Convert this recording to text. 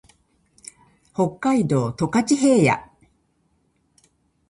北海道十勝平野